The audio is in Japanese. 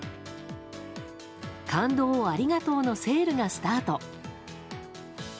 感動をありがとうのセールがスタート。